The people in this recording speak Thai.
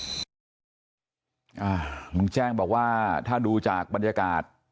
ลุงแจ้งบอกว่าถ้าดูจากบรรยากาศ